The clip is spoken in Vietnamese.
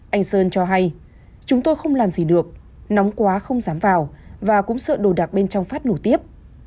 anh sơn cho hay chúng tôi không làm gì được nóng quá không dám vào và cũng sợ đồ đạc bên trong phát nổ tiếp